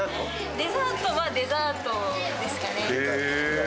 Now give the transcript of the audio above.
デザートはデザートですかね。